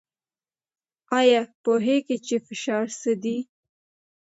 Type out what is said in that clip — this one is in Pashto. ایا پوهیږئ چې فشار څه دی؟